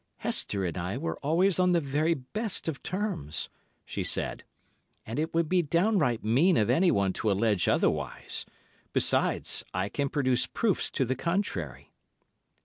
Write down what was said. "Hester and I were always on the very best of terms," she said, "and it would be downright mean of anyone to allege otherwise. Besides, I can produce proofs to the contrary."